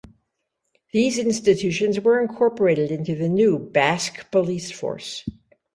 These institutions were incorporated into the new Basque Police Force.